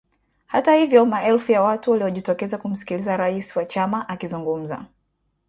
Hata hivyo maelfu ya watu waliojitokeza kumsikiliza rais wa chama akizungumza